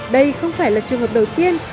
đây không phải là trường hợp đầu tiên